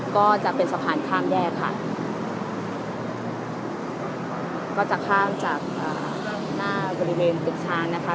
ก็จะเป็นสะพานข้ามแยกค่ะก็จะข้ามจากหน้าบริเวณตึกช้างนะคะ